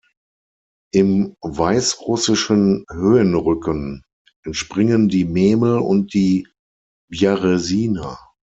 Im Weißrussischen Höhenrücken entspringen die Memel und die Bjaresina.